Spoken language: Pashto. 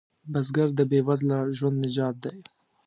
بزګر د بې وزله ژوند نجات دی